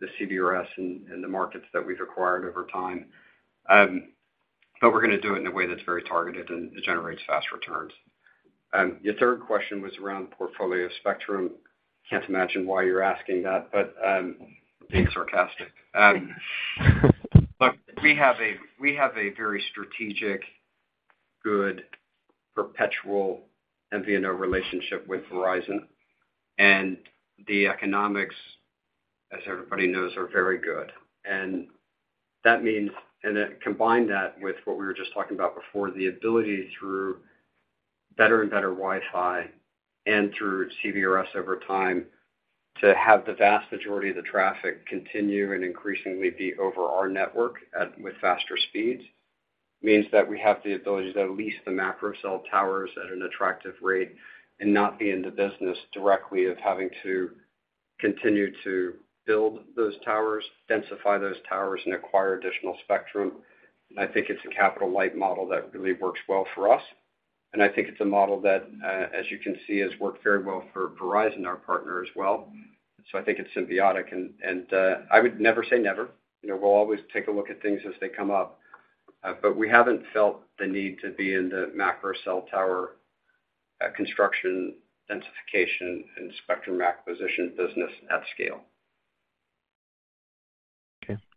S3: the CBRS in, in the markets that we've acquired over time. We're going to do it in a way that's very targeted and it generates fast returns. Your third question was around portfolio spectrum. Can't imagine why you're asking that, but being sarcastic. Look, we have a, we have a very strategic, good, perpetual MVNO relationship with Verizon. The economics, as everybody knows, are very good. That means, and then combine that with what we were just talking about before, the ability through better and better WiFi and through CBRS over time, to have the vast majority of the traffic continue and increasingly be over our network at, with faster speeds, means that we have the ability to lease the macro cell towers at an attractive rate and not be in the business directly of having to continue to build those towers, densify those towers, and acquire additional spectrum. I think it's a capital-light model that really works well for us, and I think it's a model that, as you can see, has worked very well for Verizon, our partner, as well. I think it's symbiotic, and, and, I would never say never. You know, we'll always take a look at things as they come up, but we haven't felt the need to be in the macro cell tower, construction, densification, and spectrum acquisition business at scale.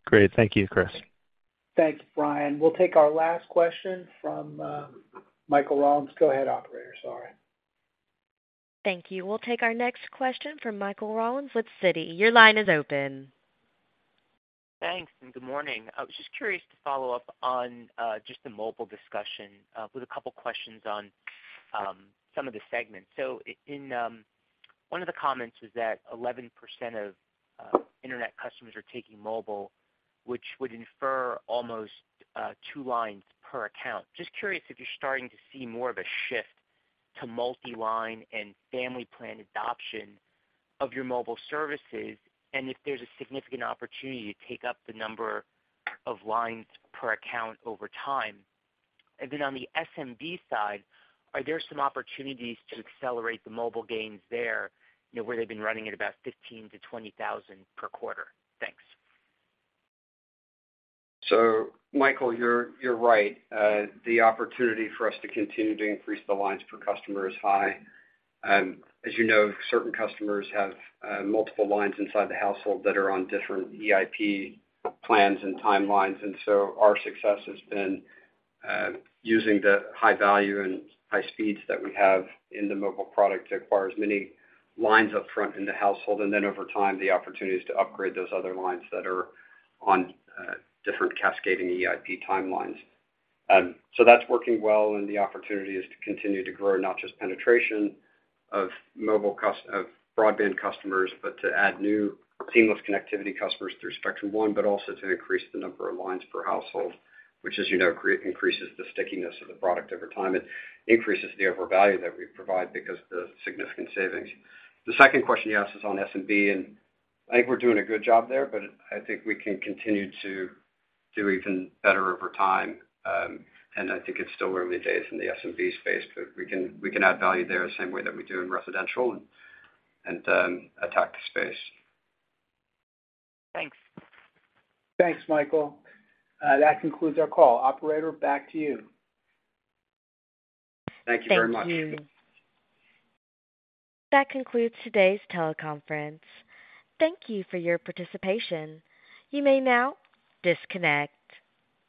S12: Okay, great. Thank you, Chris.
S2: Thanks, Bryan. We'll take our last question from Michael Rollins. Go ahead, operator, sorry.
S1: Thank you. We'll take our next question from Michael Rollins with Citi. Your line is open.
S13: Thanks. Good morning. I was just curious to follow up on just the mobile discussion with 2 questions on some of the segments. In one of the comments was that 11% of internet customers are taking mobile, which would infer almost 2 lines per account. Just curious if you're starting to see more of a shift to multi-line and family plan adoption of your mobile services, and if there's a significant opportunity to take up the number of lines per account over time? Then on the SMB side, are there some opportunities to accelerate the mobile gains there, you know, where they've been running at about 15,000-20,000 per quarter? Thanks.
S3: Michael, you're, you're right. The opportunity for us to continue to increase the lines per customer is high. As you know, certain customers have multiple lines inside the household that are on different EIP plans and timelines, and so our success has been using the high value and high speeds that we have in the mobile product to acquire as many lines upfront in the household, and then over time, the opportunities to upgrade those other lines that are on different cascading EIP timelines. That's working well, and the opportunity is to continue to grow, not just penetration of mobile of broadband customers, but to add new seamless connectivity customers through Spectrum One, but also to increase the number of lines per household, which, as you know, increases the stickiness of the product over time. It increases the overall value that we provide because of the significant savings. The second question you asked is on SMB, and I think we're doing a good job there, but I think we can continue to do even better over time. I think it's still early days in the SMB space, but we can, we can add value there the same way that we do in residential and, and attack the space.
S13: Thanks.
S2: Thanks, Michael. That concludes our call. Operator, back to you.
S3: Thank you very much.
S1: Thank you. That concludes today's teleconference. Thank you for your participation. You may now disconnect.